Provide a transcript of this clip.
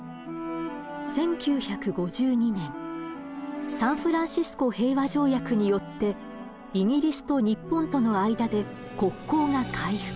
１９５２年サンフランシスコ平和条約によってイギリスと日本との間で国交が回復。